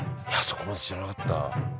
そこまで知らなかった。